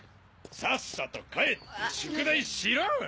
さっさと帰って宿題しろ！